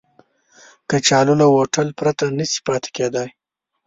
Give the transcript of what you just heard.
کچالو له هوټل پرته نشي پاتې کېدای